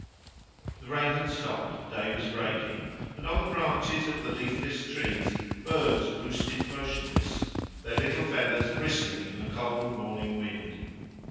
The rain had stopped, day was breaking, and on the branches of the leafless trees birds roosted motionless, their little feathers bristling in the cold morning wind.